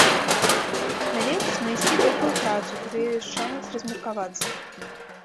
Найлепш знайсці добрую працу, куды ёсць шанец размеркавацца.